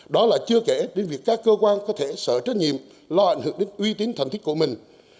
đó là chưa kể đến việc các cơ quan có thể sợ trách nhiệm lo ảnh hưởng đến uy tín thần thiết của mình